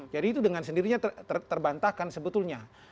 jadi itu dengan sendirinya terbantahkan sebetulnya